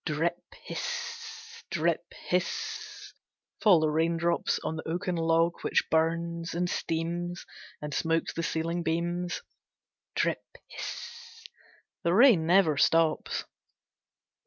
Drip hiss drip hiss fall the raindrops on the oaken log which burns, and steams, and smokes the ceiling beams. Drip hiss the rain never stops.